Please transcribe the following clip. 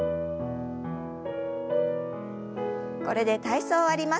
これで体操を終わります。